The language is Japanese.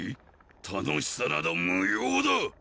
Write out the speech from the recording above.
楽しさなど無用だ！